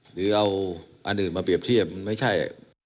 หรือเอาอันอื่นมาเปรียบเทียบมันไม่ใช่